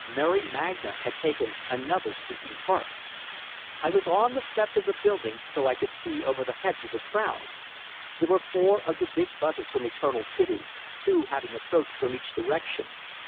Mary Magna had taken another speaking part! I was on the steps of the building, so I could see over the heads of the crowd. There were four of the big busses from Eternal City, two having approached from each direction.